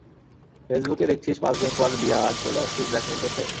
ফেসবুকে দেখছিস পাঁচদিন পর বিয়া আর চলে আসছিস ব্লাকমেইল করতে?